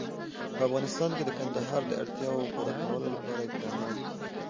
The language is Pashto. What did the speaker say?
په افغانستان کې د کندهار د اړتیاوو پوره کولو لپاره اقدامات کېږي.